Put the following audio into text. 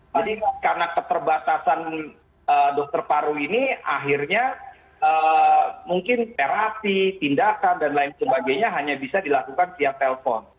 jadi karena keterbatasan dokter paru ini akhirnya mungkin terapi tindakan dan lain sebagainya hanya bisa dilakukan siap telpon